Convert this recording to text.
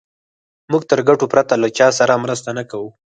موږ تر ګټو پرته له چا سره مرسته نه کوو.